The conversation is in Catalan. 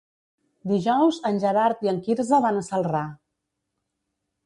Dijous en Gerard i en Quirze van a Celrà.